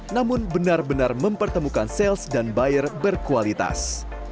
namun benar benar mempertemukan sales dan buyer berkualitas